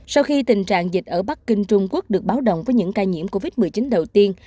sau khi tình trạng dịch ở bắc kinh trung quốc được báo đồng với những ca nhiễm covid một mươi chín đầu tiên